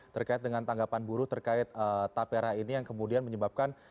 terkait dengan tanggapan buruh terkait tapera ini yang kemudian menyebabkan